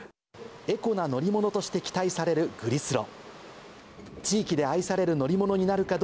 エコな乗り物として期待されるグリスロ。